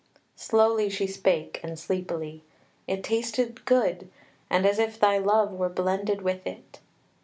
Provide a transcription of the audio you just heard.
Slowly she spake and sleepily: "It tasted good, and as if thy love were blended with it."